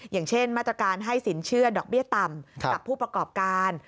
อย่างเช่นมาตรการให้สินเชื่อดอกเบี้ยต่ำกับผู้ประกอบการ